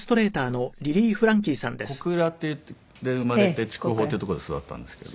小倉で生まれて筑豊っていう所で育ったんですけど。